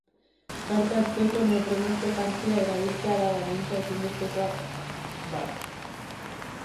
Parte hartzeko, neoprenozko jantzia erabiltzea da baldintza ezinbestekoetako bat.